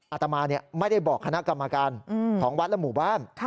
อาตมาไม่ได้บอกคณะกรรมการของวัดและหมู่บ้าน